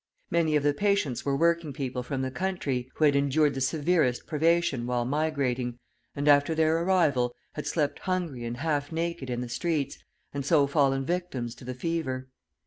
Many of the patients were working people from the country, who had endured the severest privation while migrating, and, after their arrival, had slept hungry and half naked in the streets, and so fallen victims to the fever.